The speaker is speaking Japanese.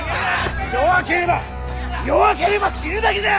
弱ければ弱ければ死ぬだけじゃ！